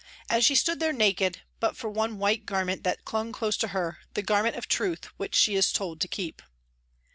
And she stood there naked but for one white garment that clung close to her, the garment of Truth, which she is told to keep.